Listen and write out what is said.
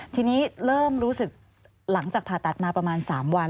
ทีนี้เริ่มรู้สึกหลังจากผ่าตัดมาประมาณ๓วัน